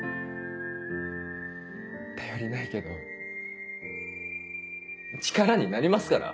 頼りないけど力になりますから。